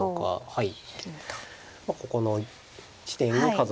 はい。